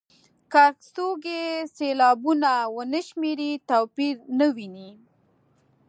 که څوک یې سېلابونه ونه شمېري توپیر نه ویني.